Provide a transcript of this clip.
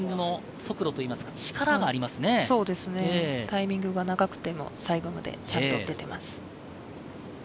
そうですね、タイミングは長くても、最後までちゃんと撃てています。